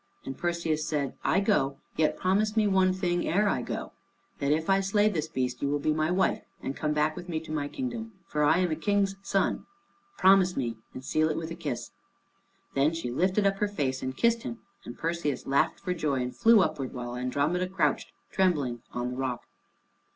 And Perseus said, "I go, yet promise me one thing ere I go, that if I slay this beast you will be my wife and come back with me to my kingdom, for I am a King's son. Promise me, and seal it with a kiss." Then she lifted up her face and kissed him, and Perseus laughed for joy and flew upward, while Andromeda crouched trembling on the rock.